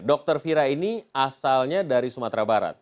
dokter fira ini asalnya dari sumatera barat